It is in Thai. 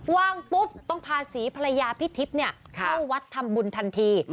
ว่างปุ๊บต้องพาศรีภรรยาพิธิบเข้าวัดธรรมบุญทันที